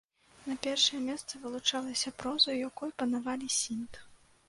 На першае месца вылучылася проза, у якой панавалі сінт.